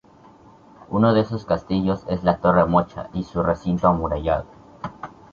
Uno de esos castillos es la Torre Mocha y su recinto amurallado.